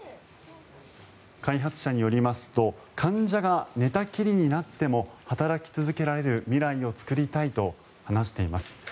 開発者によりますと患者が寝たきりになっても働き続けられる未来を作りたいと話しています。